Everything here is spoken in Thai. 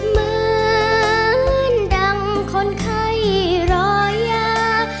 เหมือนดำคนไข่รอยา